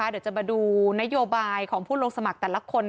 เดี๋ยวจะมาดูนโยบายของผู้ลงสมัครแต่ละคน